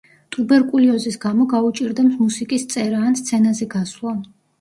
ტუბერკულიოზის გამო გაუჭირდა მუსიკის წერა ან სცენაზე გასვლა.